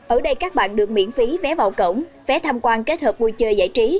ở đây các bạn được miễn phí vé vào cổng vé tham quan kết hợp vui chơi giải trí